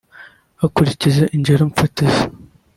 hakurikijwe ingero fatizo